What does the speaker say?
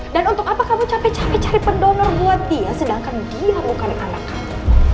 dan untuk apa kamu capek capek cari pendonor buat dia sedangkan dia bukan anak kamu